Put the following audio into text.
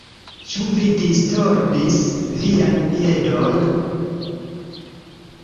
Ĉu vi distordis vian piedon?